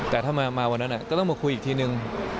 แต่ถ้ามาวันนั้นก็ต้องมาคุยอีกทีนึง